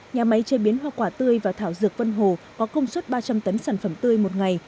nhà máy chế biến hoa quả tươi và thảo dược vân hồ có công suất ba trăm linh tấn sản phẩm tươi một ngày